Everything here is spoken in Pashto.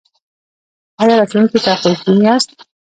ایا راتلونکي ته خوشبین یاست؟